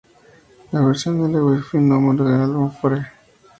La versión de Lewis fue un número uno de su álbum "Fore!".